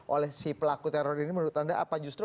oleh si pelaku teror ini menurut anda apa justru